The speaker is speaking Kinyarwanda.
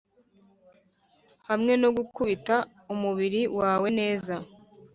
hamwe nogukubita umubiri wawe neza.